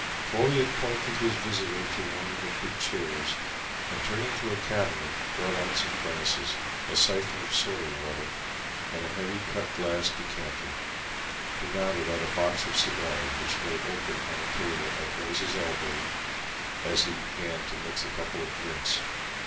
Folliot pointed his visitor to one of the big chairs and turning to a cabinet brought out some glasses, a syphon of soda water, and a heavy cut glass decanter. He nodded at a box of cigars which lay open on a table at Bryce's elbow as he began to mix a couple of drinks.